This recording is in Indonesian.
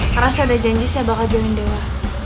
karena sudah janji saya bakal jauhin dewa